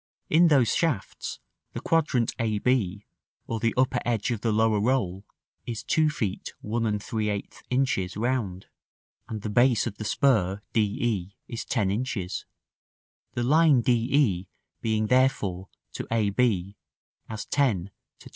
In those shafts the quadrant a b, or the upper edge of the lower roll, is 2 feet 1 3/8 inches round, and the base of the spur d e, is 10 inches; the line d e being therefore to a b as 10 to 25 3/8.